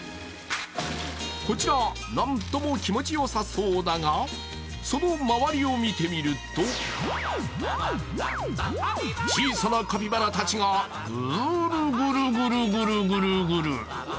こちら、なんとも気持ちよさそうだが、その周りを見てみると小さなカピバラたちがぐーるぐるぐるぐる。